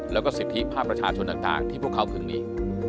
แล้วก็สิทธิภาพประชาชนต่างที่พวกเขาพึงมี